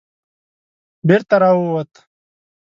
بېرته را ووت.